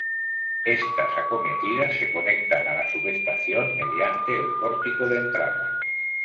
Estas acometidas se conectan a la subestación mediante el pórtico de entrada.